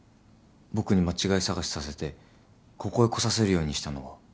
僕に間違い探しさせてここへ来させるようにしたのは。